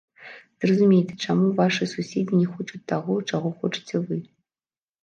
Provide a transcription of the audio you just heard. Зразумейце, чаму вашы суседзі не хочуць таго, чаго хочаце вы.